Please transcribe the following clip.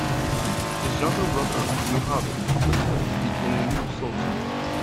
His younger brother, Mehmed the Fifth, become the new Sultan.